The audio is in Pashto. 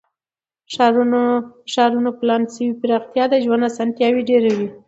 د ښارونو پلان شوې پراختیا د ژوند اسانتیاوې ډیروي.